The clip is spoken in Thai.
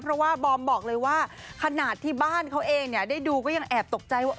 เพราะว่าบอมบอกเลยว่าขนาดที่บ้านเขาเองเนี่ยได้ดูก็ยังแอบตกใจว่า